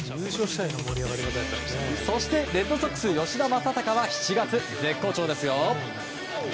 そして、レッドソックスの吉田正尚は７月絶好調ですよ。